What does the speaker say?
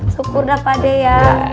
syukur dah pade ya